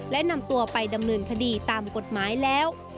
และนำตัวไปดำเนินคดีตามกฎหมายแล้ว